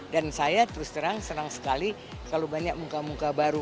dan saya terus terang senang sekali kalau banyak muka muka baru